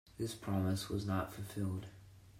This promise was not fulfilled.